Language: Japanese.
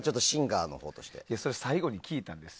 それ最後に聞いたんです。